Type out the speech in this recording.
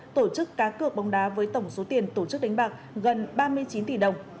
tổ chức cá cược bóng đá với tổng số tiền tổ chức đánh bạc gần ba mươi chín tỷ đồng